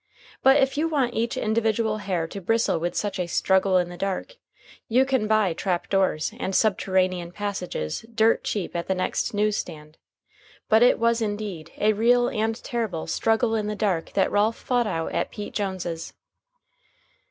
But if you want each individual hair to bristle with such a "Struggle in the Dark," you can buy trap doors and subterranean passages dirt cheap at the next news stand. But it was, indeed, a real and terrible "Struggle in the Dark" that Ralph fought out at Pete Jones's.